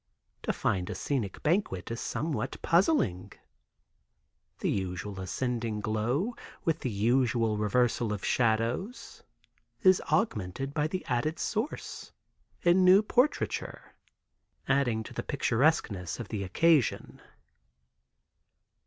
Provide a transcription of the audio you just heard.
To find a scenic banquet is somewhat puzzling. The usual ascending glow, with its usual reversal of shadows, is augmented by the added source, in new portraiture, adding to the picturesqueness of the occasion.